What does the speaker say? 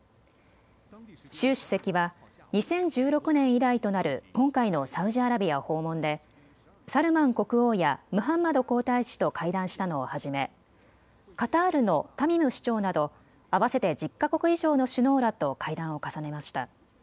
習主席は２０１６年以来となる今回のサウジアラビア訪問でサルマン国王やムハンマド皇太子と会談したのをはじめ、カタールのタミム首長など合わせて１０か国以上の首脳らと会談を重ねました。